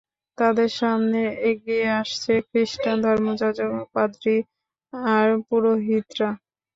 তাদের সামনে এগিয়ে আসছে খ্রিস্টান ধর্মযাজক, পাদ্রি আর পুরোহিতরা।